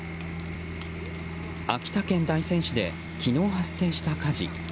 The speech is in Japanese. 秋田県大仙市で昨日発生した火事。